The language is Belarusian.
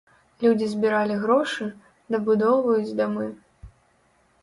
Людзі збіралі грошы, дабудоўваюць дамы.